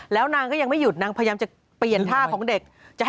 แล้วนางก็ยังไม่หยุดนางพยายามจะเปลี่ยนท่าของเด็ก